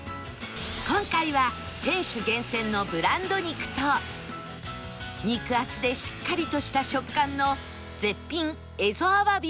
今回は店主厳選のブランド肉と肉厚でしっかりとした食感の絶品蝦夷アワビをいただきます